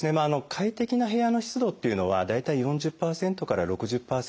快適な部屋の湿度っていうのは大体４０％から６０％ほどといわれてます。